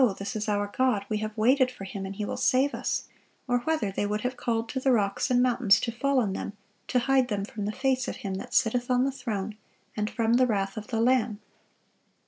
this is our God, we have waited for Him, and He will save us;' or whether they would have called to the rocks and mountains to fall on them to hide them from the face of Him that sitteth on the throne, and from the wrath of the Lamb.